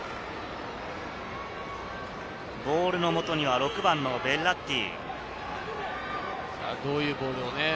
ボールのもとには６番のベラッティ。